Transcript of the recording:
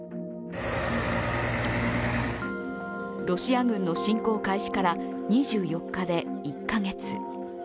ロシア軍の侵攻開始から２４日で１カ月。